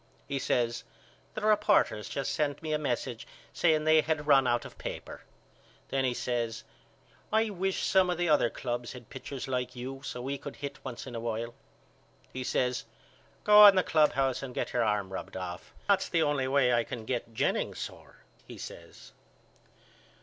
He says The reporters just sent me a message saying they had run out of paper. Then he says I wish some of the other clubs had pitchers like you so we could hit once in a while. He says Go in the clubhouse and get your arm rubbed off. That's the only way I can get Jennings sore he says.